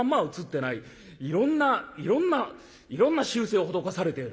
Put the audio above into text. いろんないろんないろんな修整を施されている。